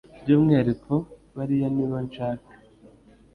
byumwihariko bariya nibo nshaka